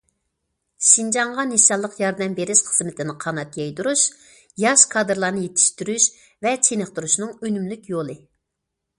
شىنجاڭغا نىشانلىق ياردەم بېرىش خىزمىتىنى قانات يايدۇرۇش ياش كادىرلارنى يېتىشتۈرۈش ۋە چېنىقتۇرۇشنىڭ ئۈنۈملۈك يولى.